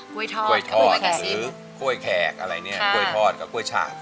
กล้วยทอดหรือกล้วยแขกอะไรเนี่ยกล้วยทอดกับกล้วยฉาก